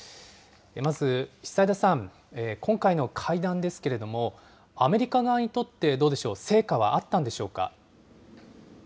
まず久枝さん、今回の会談ですけれども、アメリカ側にとってどうでしょう、成果